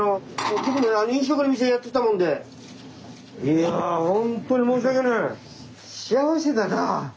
いやほんとに申し訳ない！